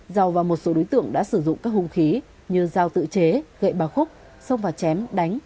giàu và một số đối tượng đã sử dụng các hung khí như dao tự chế gậy ba khúc xông vào chém đánh